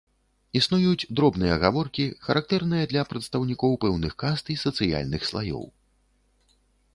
Існуюць дробныя гаворкі, характэрныя для прадстаўнікоў пэўных каст і сацыяльных слаёў.